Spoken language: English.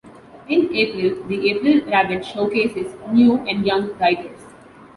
In April, the April Rabbit showcases new and young writers.